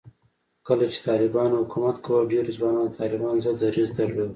کله چې طالبانو حکومت کاوه، ډېرو ځوانانو د طالبانو ضد دریځ درلود